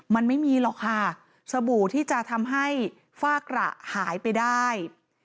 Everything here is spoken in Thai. มันไม่มีหรอกค่ะสบู่ที่จะทำให้ฟากระหายไปได้